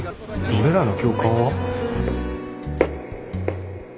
俺らの教官は？